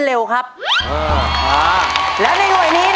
มันจะพูดนี่